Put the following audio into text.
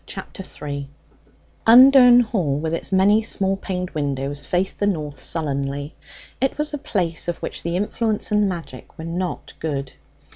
Chapter 3 Undern Hall, with its many small paned windows, faced the north sullenly. It was a place of which the influence and magic were not good.